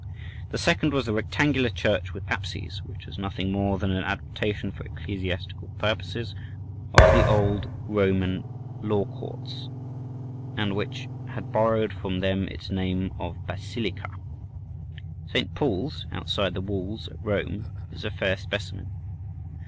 The second was the rectangular church with apses, which was nothing more than an adaptation for ecclesiastical purposes of the Old Roman law courts, and which had borrowed from them its name of Basilica. St. Paul's Outside the Walls, at Rome is a fair specimen.